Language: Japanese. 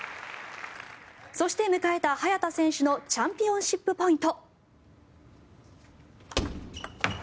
そして、迎えた早田選手のチャンピオンシップポイント。